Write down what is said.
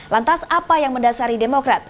lantas apa yang mendasari demokrat